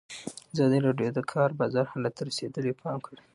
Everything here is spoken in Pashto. ازادي راډیو د د کار بازار حالت ته رسېدلي پام کړی.